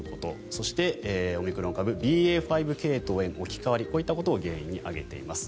そして、オミクロン株ＢＡ．５系統への置き換わりこういったことを原因に挙げています。